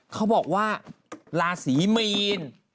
เขาบอกว่าราศีมีน